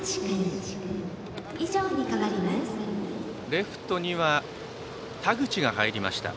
レフトには田口が入りました。